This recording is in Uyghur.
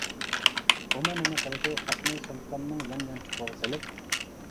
ئۇمۇ نېمە قىلىدۇ خەتنى سومكامنىڭ يان يانچۇقىغا سېلىپ.